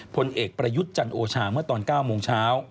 ผลเอกประยุทธ์จันโอชาเมื่อตอน๙โมงเช้า